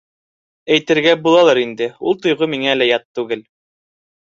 Әйтергә булалыр инде: ул тойғо миңә лә ят түгел.